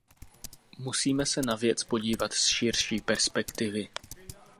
Musíme se na věc podívat z širší perspektivy.